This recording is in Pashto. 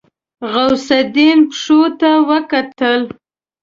غوث الدين پښو ته وکتل.